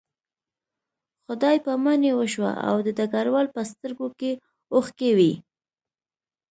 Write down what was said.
خدای پاماني وشوه او د ډګروال په سترګو کې اوښکې وې